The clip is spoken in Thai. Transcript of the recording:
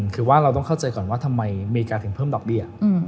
คือว่าเราต้องเข้าใจก่อนว่าทำไมอเมริกาถึงเพิ่มดอกเบี้ย